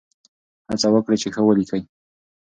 هڅه وکړئ چې ښه ولیکئ.